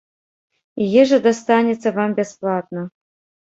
І ежа дастанецца вам бясплатна.